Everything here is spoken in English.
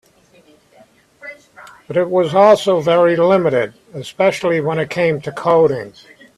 But it was also very limited, especially when it came to coding.